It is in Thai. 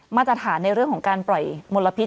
มาตรฐานในเรื่องของการปล่อยมลพิษ